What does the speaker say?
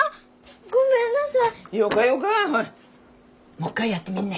もっかいやってみんね。